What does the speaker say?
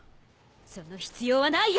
その必要はないよ！